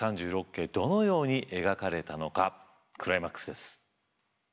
どのように描かれたのかクライマックスです。